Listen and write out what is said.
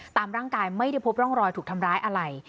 ตามร่างกายไม่ได้พบร่องรอยถูกทำร้ายอะไร